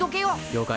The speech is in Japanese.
了解。